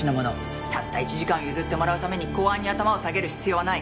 たった１時間譲ってもらうために公安に頭を下げる必要はない。